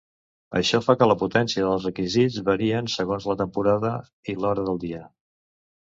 Això fa que la potència dels requisits varien segons la temporada i l'hora del dia.